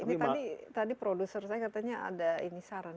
ini tadi produser saya katanya ada ini saran